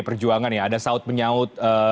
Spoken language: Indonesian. perjuangan ya ada saut menyaut